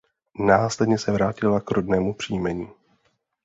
Následně se vrátila k rodnému příjmení.